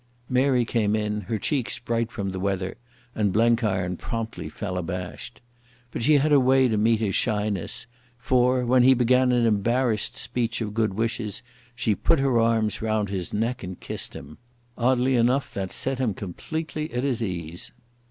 Mary came in, her cheeks bright from the weather, and Blenkiron promptly fell abashed. But she had a way to meet his shyness, for, when he began an embarrassed speech of good wishes, she put her arms round his neck and kissed him. Oddly enough, that set him completely at his ease.